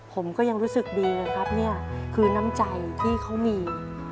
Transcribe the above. ผมก็ยังรู้สึกดีนะครับนี่คือน้ำใจที่เขามี